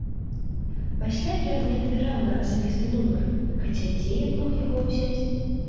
Пасля ён мне набіраў на асабісты нумар, хаця дзе ён мог яго ўзяць?